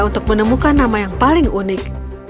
untuk menemukan nama yang paling unik